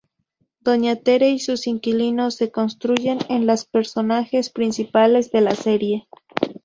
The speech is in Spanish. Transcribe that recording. Doña Tere y sus inquilinos se constituyen en los personajes principales de la serie.